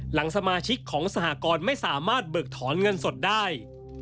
หลังสมาชิกของสหกรไม่สามารถเบิกถอนเงินสดได้